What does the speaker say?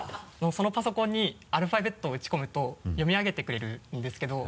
そのパソコンにアルファベットを打ち込むと読み上げてくれるんですけど。